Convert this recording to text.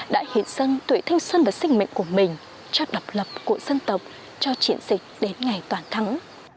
đã hiện dân tuổi thanh xuân và sinh mệnh của mình cho độc lập của dân tộc cho triển dịch đến ngày toàn thắng